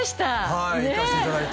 はい行かせていただいて